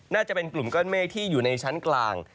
น่าจะเป็นกลุ่มก้อนเมฆที่อยู่ในชั้นกลาง